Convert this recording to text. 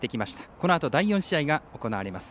このあと第４試合が行われます。